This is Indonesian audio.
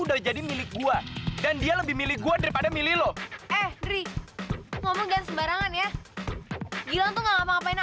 udah jadi milik gua dan dia lebih milik gua daripada milih lo eh ngomong ngomong ya